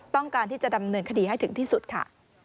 ต้องการที่จะดำเนินคดีให้ถึงที่สุดค่ะ